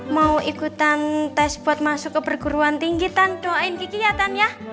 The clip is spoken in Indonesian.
mau ikutan tes buat masuk ke perguruan tinggi tan doain kiki ya tan ya